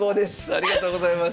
ありがとうございます。